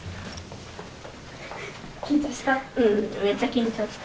緊張した？